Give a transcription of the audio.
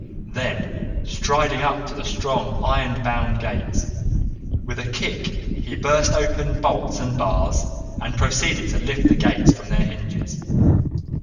Then, striding up to the strong iron bound gates, with a kick he burst open bolts and bars, and proceeded to lift the gates from their hinges.